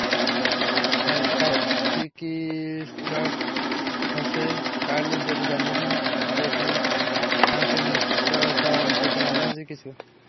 ফ্যালকাওর চিকিত্সক Jose Carlos যেটি জানিয়েছেন সেটি অনেকটা নিশ্চয়তা-অনিশ্চয়তার মাঝামাঝি কিছু।